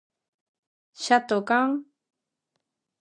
Xa tocan...